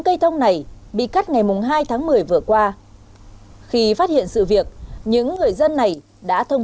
cây thông này bị cắt ngày hai tháng một mươi vừa qua khi phát hiện sự việc những người dân này đã thông